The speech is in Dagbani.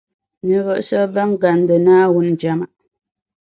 Ninvuɣu shεba ban gaandi Naawuni jɛma